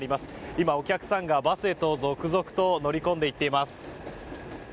今、お客さんがバスへと続々と乗り込んでいっています。